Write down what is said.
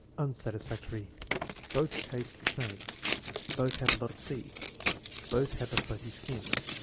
Unsatisfactory. "Both taste the same." "Both have a lot of seeds." "Both have a fuzzy skin."